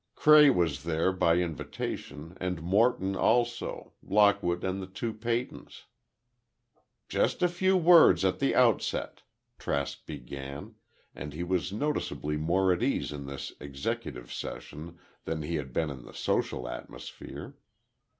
Cray was there, by invitation, and Morton also. Lockwood and the two Peytons. "Just a few words at the outset," Trask began, and he was noticeably more at ease in this executive session than he had been in the social atmosphere.